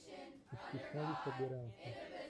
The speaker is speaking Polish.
"Uścisnęli sobie ręce."